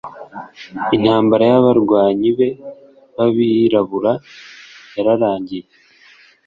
intambara y'abarwanyi be b'abirabura yararangiye -